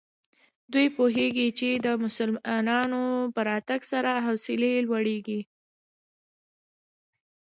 دوی پوهېږي چې د مسلمانانو په راتګ سره حوصلې لوړېږي.